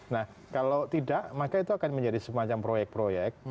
nah kalau tidak maka itu akan menjadi semacam proyek proyek